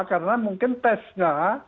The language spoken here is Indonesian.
karena mungkin tesnya